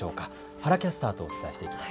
原キャスターとお伝えしていきます。